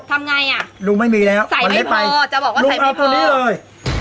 ทำไงอ่ะใส่ไม่พอจะบอกว่าใส่ไม่พอลุงเอาตัวนี้เลย